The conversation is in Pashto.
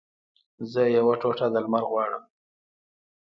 زه یوه ټوټه د لمر غواړم